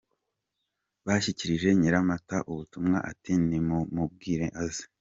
Bashyikirije Nyiramataza ubutumwa, ati “Nimumubwire aze.